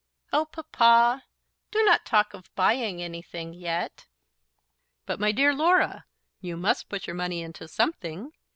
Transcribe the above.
"Oh, Papa, do not talk of buying anything yet." "But, my dear Laura, you must put your money into something.